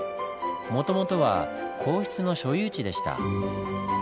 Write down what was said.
もともとは皇室の所有地でした。